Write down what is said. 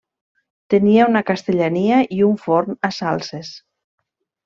Tenia una castellania i un forn a Salses.